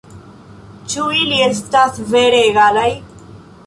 Ĉu ili estas vere egalaj?